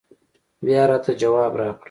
بيا راته ځواب راکړه